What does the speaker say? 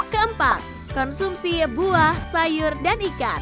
keempat konsumsi buah sayur dan ikan